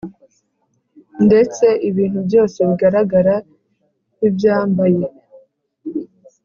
ndetse ibintu byose bigaragara nk’ibyambaye